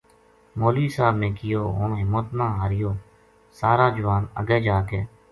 مولوی صاحب نے کہیو ہن ہمت نہ ہاریو سارا جوان اگے جا کے